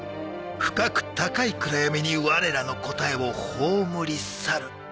「深く高い暗闇にわれらの答えを葬り去る」と。